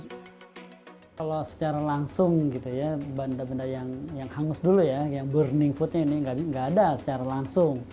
kalau secara langsung gitu ya benda benda yang hangus dulu ya burning foodnya ini nggak ada secara langsung